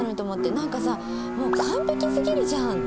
「なんかさもう完璧すぎるじゃん」って。